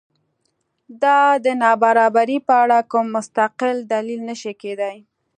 دا د نابرابرۍ په اړه کوم مستقل دلیل نه شي کېدای.